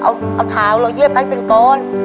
แล้วเอาผาเราเยี้ยบให้เป็นกร